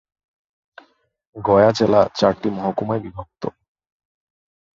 গয়া জেলা চারটি মহকুমায় বিভক্ত।